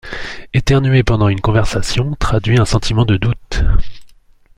Éternuer pendant une conversation traduit un sentiment de doute.